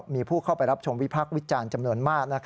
มีผู้เข้าไปรับชมวิพักษ์วิจารณ์จำนวนมาก